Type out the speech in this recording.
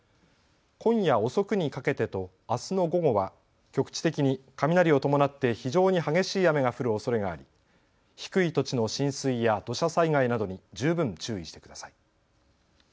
今夜遅くにかけてとあすの午後は局地的に雷を伴って非常に激しい雨が降るおそれがあり低い土地の浸水や土砂災害などに十分注意してください。